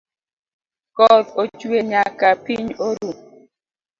Koth ochwe nyaka piny oru